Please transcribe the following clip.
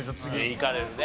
いかれるね。